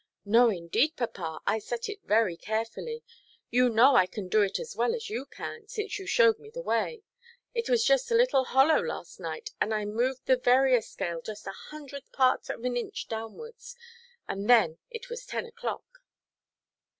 "No, indeed, papa. I set it very carefully. You know I can do it as well as you can, since you showed me the way. It was just a little hollow last night, and I moved the Verrier scale just a hundredth part of an inch downwards, and then it was ten oʼclock."